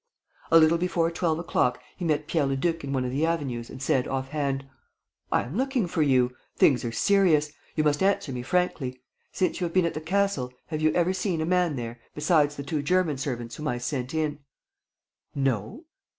A little before twelve o'clock, he met Pierre Leduc in one of the avenues and said, off hand: "I am looking for you ... things are serious. ... You must answer me frankly. Since you have been at the castle, have you ever seen a man there, besides the two German servants whom I sent in?" "No."